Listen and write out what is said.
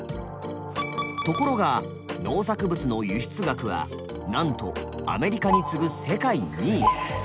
ところが農作物の輸出額はなんとアメリカに次ぐ世界２位。